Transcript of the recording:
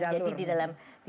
jadi di dalam pervisi